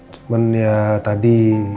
cuman ya tadi